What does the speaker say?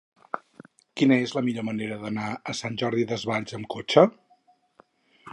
Quina és la millor manera d'anar a Sant Jordi Desvalls amb cotxe?